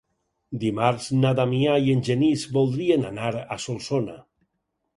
Dimarts na Damià i en Genís voldrien anar a Solsona.